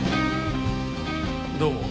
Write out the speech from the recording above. どうも。